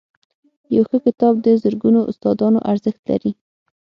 • یو ښه کتاب د زرګونو استادانو ارزښت لري.